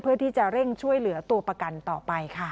เพื่อที่จะเร่งช่วยเหลือตัวประกันต่อไปค่ะ